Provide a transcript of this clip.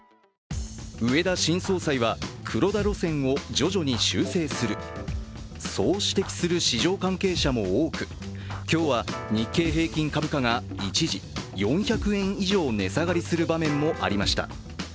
植田新総裁は黒田路線を徐々に修正する、そう指摘する市場関係者も多く今日は日経平均株価が一時４００円以上値下がりする場面もありました。